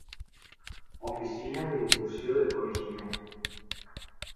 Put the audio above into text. Oficina de Difusió del Coneixement.